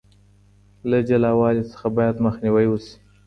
له جلاوالي څخه بايد مخنيوي وشي.